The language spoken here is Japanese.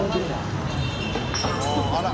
あら！